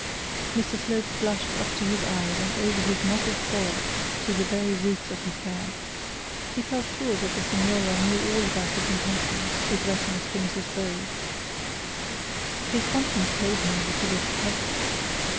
Mr Slope blushed up to his eyes, and over his mottled forehead to the very roots of his hair. He felt sure that the signora knew all about his intentions with reference to Mrs Bold. His conscience told him that he was detected.